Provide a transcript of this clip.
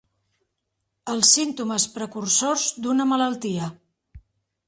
Els símptomes precursors d'una malaltia.